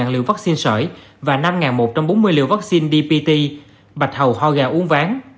một mươi liều vaccine sở ý và năm một trăm bốn mươi liều vaccine dbt bạch hầu ho gà uống ván